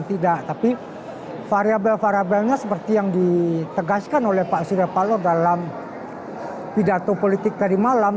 tidak tapi variabel variabelnya seperti yang ditegaskan oleh pak surya paloh dalam pidato politik tadi malam